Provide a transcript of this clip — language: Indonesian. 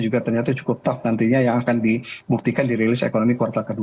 juga ternyata cukup tough nantinya yang akan dibuktikan dirilis ekonomi kuartal ke dua